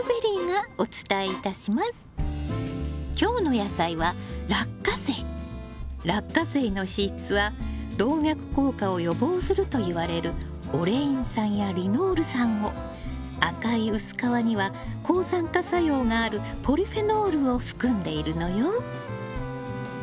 今日の野菜はラッカセイの脂質は動脈硬化を予防するといわれるオレイン酸やリノール酸を赤い薄皮には抗酸化作用があるポリフェノールを含んでいるのよ。